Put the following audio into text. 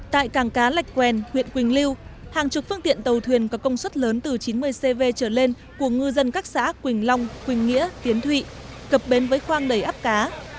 tại cảng cá lạch quen huyện quỳnh lưu hàng chục phương tiện tàu thuyền có công suất lớn từ chín mươi cv trở lên của ngư dân các xã quỳnh long quỳnh nghĩa kiến thụy cập bến với khoang đầy áp cá